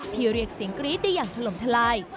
เรียกเสียงกรี๊ดได้อย่างถล่มทลาย